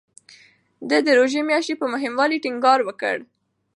ده د روژې میاشتې په مهموالي ټینګار وکړ.